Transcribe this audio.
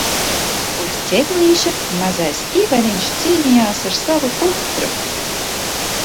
Uz ķeblīša mazais Ivariņš cīnījās ar savu putru.